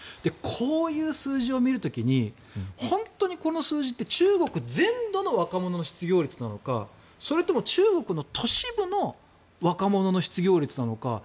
こういう数字を見る時に本当にこの数字って中国全土の若者の失業率なのかそれとも中国の都市部の若者の失業率なのか。